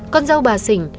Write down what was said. con dâu bà dình